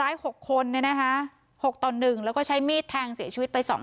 ร้ายหกคนแล้วนะคะหกต่อหนึ่งแล้วก็ใช้มิดแทงเสียชีวิตไปสอง